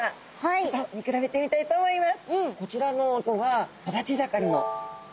ちょっと見比べてみたいと思います。